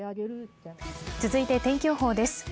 続いて天気予報です。